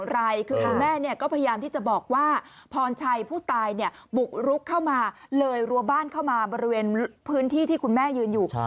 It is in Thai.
รถมันชนกันเนี่ย